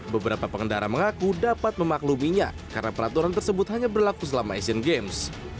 beberapa pengendara mengaku dapat memakluminya karena peraturan tersebut hanya berlaku selama asian games